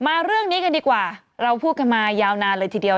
มาเรื่องนี้กันดีกว่าเราพูดกันมายาวนานเลยทีเดียว